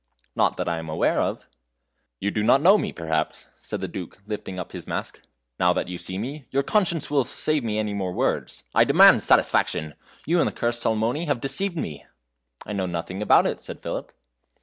"Not that I am aware of." "You don't know me, perhaps," said the Duke, lifting up his mask; "now that you see me, your own conscience will save me any more words. I demand satisfaction. You and the cursed Salmoni have deceived me!" "I know nothing about it," said Philip.